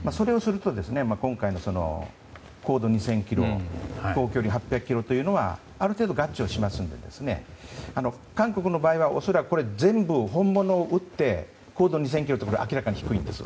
今回の高度２０００ｋｍ飛行距離８００ｋｍというのはある程度合致はしますので韓国の場合は全部本物を撃って高度２０００ｋｍって明らかに低いんです。